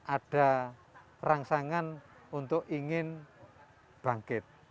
ada rangsangan untuk ingin bangkit